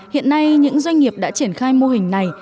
hiện nay những doanh nghiệp đã triển khai mô hình này